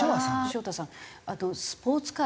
潮田さんスポーツ界